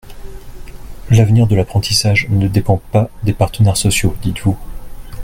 L’avenir de l’apprentissage ne dépend pas des partenaires sociaux, dites-vous.